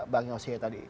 bang yosya tadi